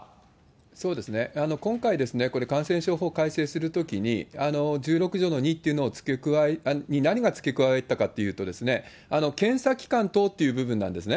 そうですね、今回ですね、これ、感染症法改正するときに、１６条の２というのに何が付け加えたかというと、検査機関等っていう部分なんですね。